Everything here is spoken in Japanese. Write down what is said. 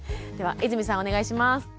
では泉さんお願いします。